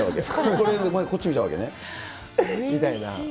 これよりこっち見ちゃうわけみたいな。